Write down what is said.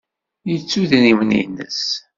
Yettu idrimen-nnes?